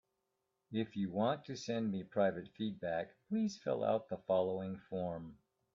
If you want to send me private feedback, please fill out the following form.